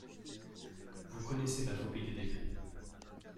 Vous connaissez ma phobie des décrets.